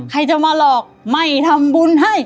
ใครจะมาหลอกไม่ทำบุญให้